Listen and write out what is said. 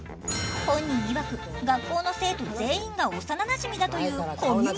本人いわく学校の生徒全員が幼なじみだというコミュモンスター。